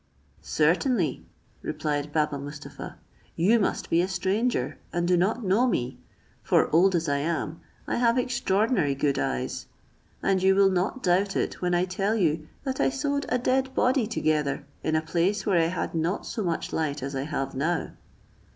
"Certainly," replied Baba Mustapha," you must be a stranger, and do not know me; for old as I am, I have extraordinary good eyes; and you will not doubt it when I tell you that I sewed a dead body together in a place where I had not so much light as I have now."